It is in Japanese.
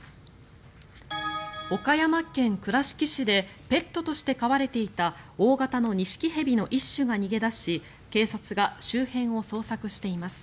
岡山県倉敷市でペットとして飼われていた大型のニシキヘビの一種が逃げ出し警察が周辺を捜索しています。